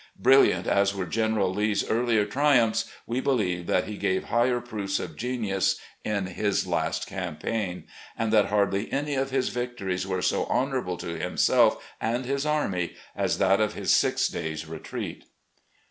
Brilliant as were General Lee's earlier triumphs, we believe that he gave higher proofs of genius in his last campaign, and that hardly any of his victories were so honourable to himself and his army as that of his six dajrs' retreat."